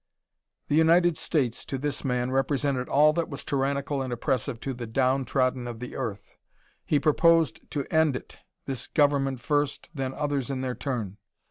The United States, to this man, represented all that was tyrannical and oppressive to the downtrodden of the earth. He proposed to end it this government first, then others in their turn.